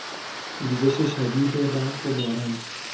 ریزش شدید برف و باران